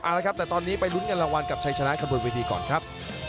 เอาละครับแต่ตอนนี้ไปลุ้นเงินรางวัลกับชัยชนะขบวนเวทีก่อนครับ